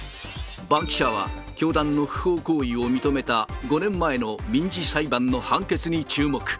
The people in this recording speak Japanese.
バンキシャ！は、教団の不法行為を認めた５年前の民事裁判の判決に注目。